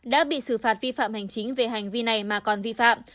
đã bị xử phạt vi phạm hành chính về hành vi này mà còn vi phạm